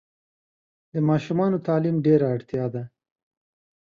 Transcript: د ماشومانو تعلیم ډېره اړتیا ده.